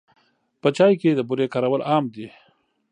په چای کې د بوري کارول عام دي.